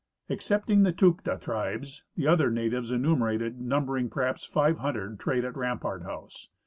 Excepting the Takudh tribes, the other natives enumerated, numbering perhaps 500, trade at Rampart house.